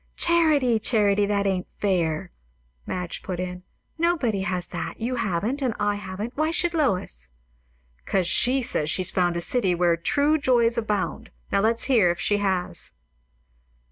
"Charity, Charity, that ain't fair," Madge put in. "Nobody has that; you haven't, and I haven't; why should Lois?" "'Cos she says she's found 'a city where true joys abound;' now let's hear if she has."